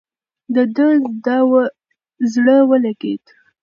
د ده زړه ولګېد.